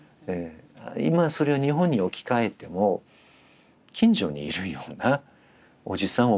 今それを日本に置き換えても近所にいるようなおじさん